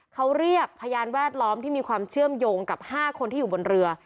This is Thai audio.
เขาเรียกพยานแวดล้อมที่มีความเชื่อมโยงกับ๕คนที่อยู่บนเรือ